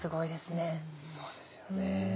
そうですよね。